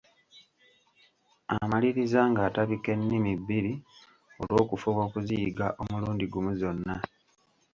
Amaliriza ng’atabika ennimi bbiri olw’okufuba okuziyiga omulundi gumu zonna.